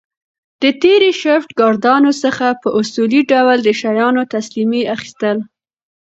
د تېر شفټ ګاردانو څخه په اصولي ډول د شیانو تسلیمي اخیستل